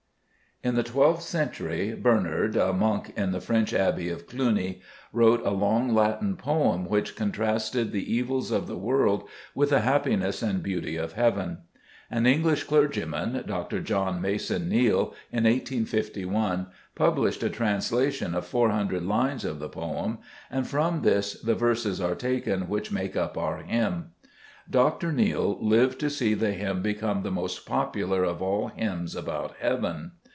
In the 1 2th century Bernard, a monk in the French Abbey of Cluny, wrote a long Latin poem which con trasted the evils of the world with the happiness and beauty of heaven. An English clergyman, Dr. John Mason Xeale, in 1S51 published a translation of 400 lines of the poem, and from this the verses are taken which make up our hymn. Dr. Xeale lived to see the hymn become the most popular of all hymns about heaven.